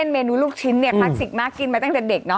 ในเมนูลูกชิ้นเนี่ยของมากกินมาตั้งแต่เด็กแล้ว